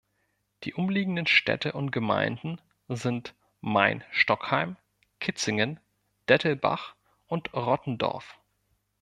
Die umliegenden Städte und Gemeinden sind Mainstockheim, Kitzingen, Dettelbach und Rottendorf.